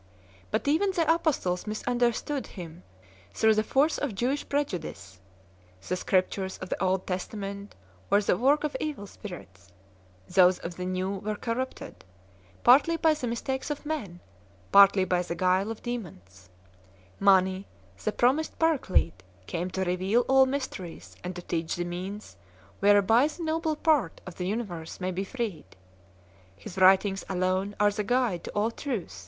But even the apostles misunderstood him through the force of Jewish prejudice ; the Scriptures of the Old Testament were the work of evil spirits; those of the New were corrupted, partly by the mistakes of men, partly by the guile of demons ; Mani, the promised Paraclete, came to reveal all mysteries and to teach the means whereby the nobler part of the universe may be freed; his writings alone are the guide to all truth.